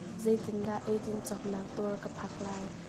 Zei tiin dah eidin cawknak dawr ka phak lai?